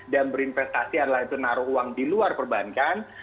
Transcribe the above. dan berinvestasi adalah itu naruh uang di luar perbankan